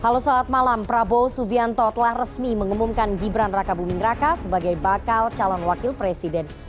halo saat malam prabowo subianto telah resmi mengumumkan gibran raka buming raka sebagai bakal calon wakil presiden